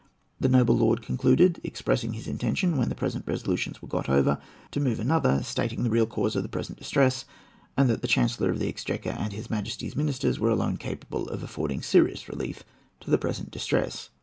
The noble lord concluded with expressing his intention when the present resolutions were got over, to move another, stating the real cause of the present distress, and that the Chancellor of the Exchequer and his majesty's ministers were alone capable of affording serious relief to the present distress.